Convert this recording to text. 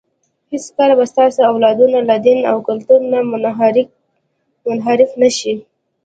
هېڅکله به ستاسو اولادونه له دین او کلتور نه منحرف نه شي.